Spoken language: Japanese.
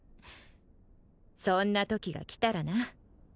そんなときが来たらな